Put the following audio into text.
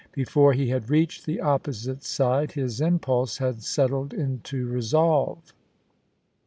Before he had reached the opposite side, his impulse had settled into resolve.